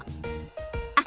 あっ